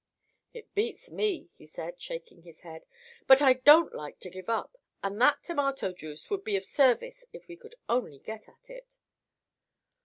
"It beats me," he said, shaking his head. "But I don't like to give up, and that tomato juice would be of service if we could only get at it."